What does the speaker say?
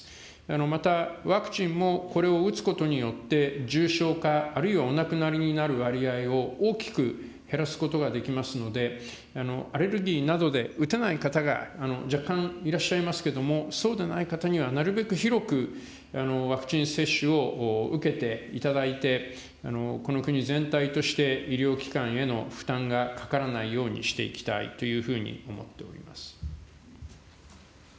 またワクチンもこれを打つことによって、重症化あるいはお亡くなりになる割合を大きく減らすことができますので、アレルギーなどで打てない方が若干いらっしゃいますけれども、そうでない方にはなるべく広くワクチン接種を受けていただいて、この国全体として、医療機関への負担がかからないようにしていきたいというふうに思